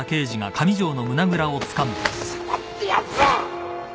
貴様ってやつは！